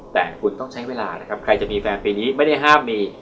แต่คุณต้องใช้เวลานะครับใครจะมีแฟนปีนี้ไม่ได้ห้ามมี